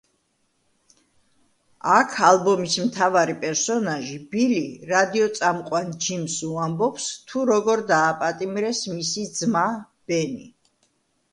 აქ ალბომის მთავარი პერსონაჟი, ბილი, რადიოწამყვან ჯიმს უამბობს, თუ როგორ დააპატიმრეს მისი ძმა, ბენი.